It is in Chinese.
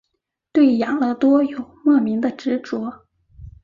对养乐多有莫名的执着。